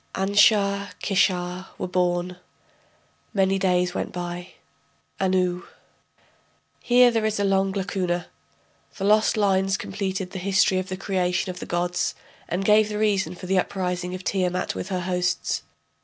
Anshar, Kishar were born. Many days went by. Anu.... [Here there is a long lacuna. The lost lines completed the history of the creation of the gods, and gave the reason for the uprising of Tiamat with her hosts.